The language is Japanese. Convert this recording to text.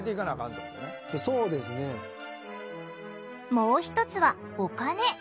もう一つはお金。